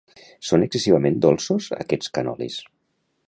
Són excessivament dolços aquests canolis